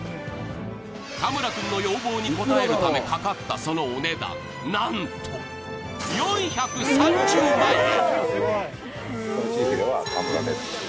田村君の要望に応えるため、かかったそのお値段、なんと４３０万円！